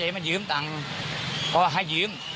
มายืมตังค์ก็ให้ยืม